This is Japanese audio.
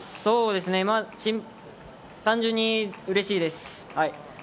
単純にうれしいです。